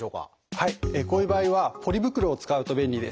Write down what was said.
こういう場合はポリ袋を使うと便利です。